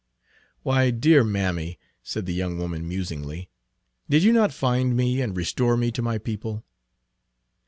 "Why, dear mammy," said the young woman musingly, "did you not find me, and restore me to my people?"